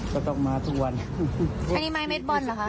กลัวไหมคะเพราะว่าต้องมาทำงาน